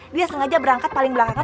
dia sengaja berangkat paling belakang